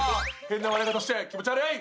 変な笑い方して気持ち悪い！